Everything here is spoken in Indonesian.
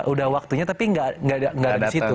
udah waktunya tapi gak ada disitu